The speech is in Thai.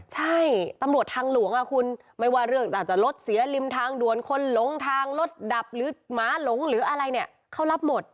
ใช่ตำรวจทางหลวงคุณไม่ว่าเรื่องอาจจะรถเสียริมทางด่วนคนหลงทางรถดับหรือหมาหลงหรืออะไรเนี่ยเขารับหมด